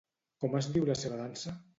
Com es diu la seva dansa?